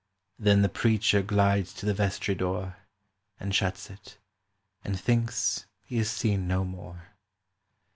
Then the preacher glides to the vestry door, And shuts it, and thinks he is seen no more.